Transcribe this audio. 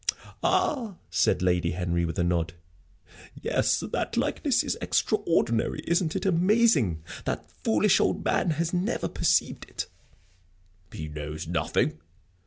"Ah!" said Lady Henry, with a nod. "Yes, that likeness is extraordinary. Isn't it amazing that that foolish old man has never perceived it?" "He knows nothing?"